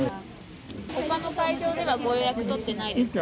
ほかの会場ではご予約取ってないですか？